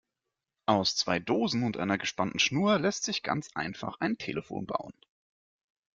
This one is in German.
Aus zwei Dosen und einer gespannten Schnur lässt sich ganz einfach ein Telefon bauen.